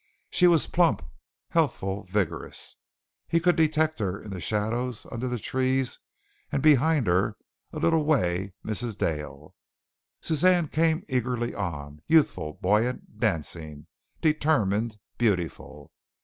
She was plump, healthful, vigorous. He could detect her in the shadows under the trees and behind her a little way Mrs. Dale. Suzanne came eagerly on youthful, buoyant, dancing, determined, beautiful.